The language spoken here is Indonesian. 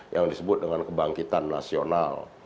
yang disebut dengan kebangkitan nasional